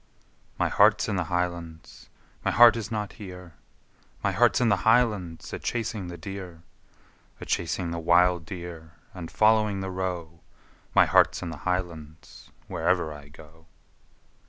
Chorus My heart's in the Highlands, my heart is not here. My heart's in the Highlands, a chasing the deer, A chasing the wild deer, and following the roe My heart's in the Highlands, wherever I go!